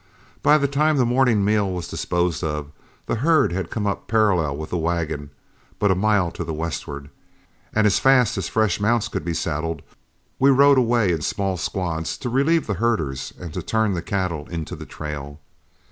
By the time the morning meal was disposed of, the herd had come up parallel with the wagon but a mile to the westward, and as fast as fresh mounts could be saddled, we rode away in small squads to relieve the herders and to turn the cattle into the trail.